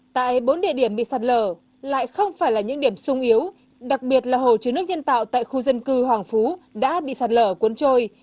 tại bốn địa điểm bị sạt lở lại không phải là những điểm sung yếu đặc biệt là hồ chứa nước nhân tạo tại khu dân cư hoàng phú đã bị sạt lở cuốn trôi